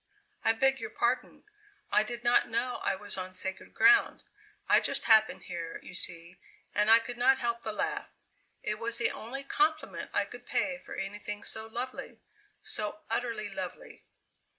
"I beg your pardon. I did not know I was on sacred ground. I just happened here, you see, and I could not help the laugh; it was the only compliment I could pay for anything so lovely so utterly lovely."